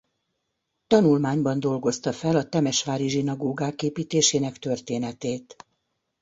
Tanulmányban dolgozta fel a temesvári zsinagógák építésének történetét.